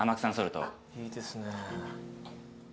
いいですね。